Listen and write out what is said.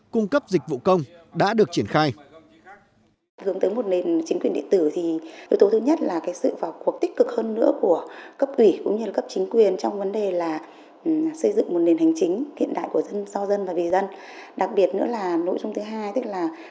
cung cấp dịch vụ công đã được